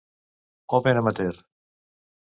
Open Amateur.